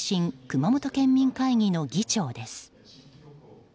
熊本県民会議の議長です。